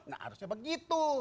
nah harusnya begitu